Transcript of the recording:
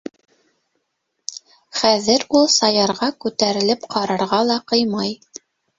Хәҙер ул Саярға күтәрелеп ҡарарға ла ҡыймай.